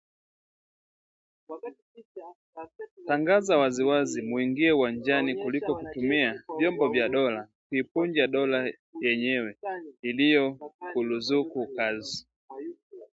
Tangaza waziwazi muingie uwanjani kuliko kutumia vyombo vya dola kuipunja dola yenyewe iliyokuruzuku kazi